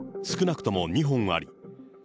少なくとも２本あり。